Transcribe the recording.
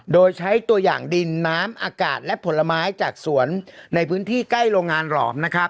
โดยใช้ตัวอย่างดินน้ำอากาศและผลไม้จากสวนในพื้นที่ใกล้โรงงานหลอมนะครับ